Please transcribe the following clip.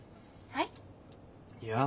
はい。